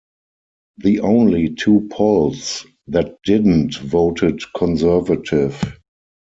The only two polls that didn't, voted Conservative.